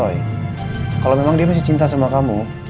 kalau memang dia masih cinta sama kamu